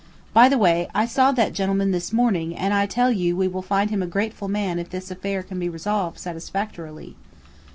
By the way I saw that gentleman this morning and I tell you we will find him a grateful man if this affair can be resolved satisfactorily."